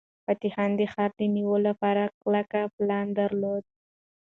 فتح خان د ښار د نیولو لپاره کلک پلان درلود.